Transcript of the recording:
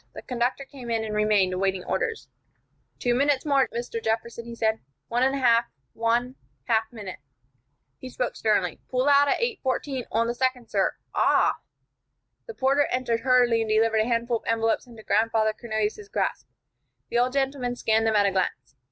The conductor came in and remained, awaiting orders. "Two minutes more, Mr. Jefferson," he said. "One and a half one half a minute." He spoke sternly: "Pull out at 8:14 on the second, sir. Ah " The porter entered hurriedly, and delivered a handful of envelopes into Grandfather Cornelius's grasp. The old gentleman scanned them at a glance.